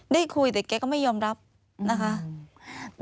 ได้คุยแต่แกก็ไม่ยอมรับนะคะ